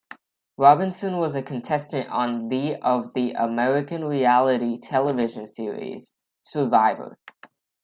Robinson was a contestant on the of the American reality television series, "Survivor".